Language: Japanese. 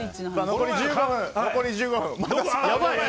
残り１５分。